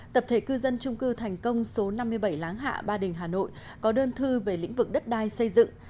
tập thể cư dân trung cư thành công số năm mươi bảy láng hạ ba đình hà nội có đơn thư về lĩnh vực đất đai xây dựng